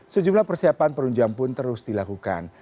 sejumlah persiapan perunjang pun terus dilakukan